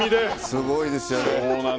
すごいですよね。